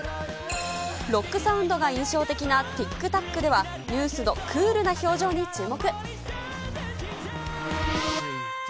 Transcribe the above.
ロックサウンドが印象的なティックタックでは、ＮＥＷＳのクールな表情に注目。